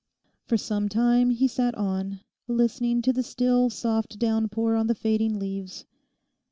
For some time he sat on, listening to the still soft downpour on the fading leaves.